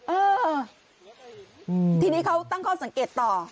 เออทีนี้เขาตั้งข้อสังเกตต่อ